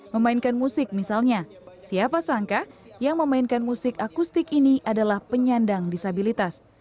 memainkan musik misalnya siapa sangka yang memainkan musik akustik ini adalah penyandang disabilitas